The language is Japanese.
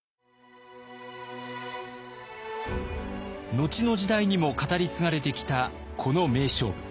後の時代にも語り継がれてきたこの名勝負。